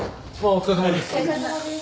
お疲れさまです！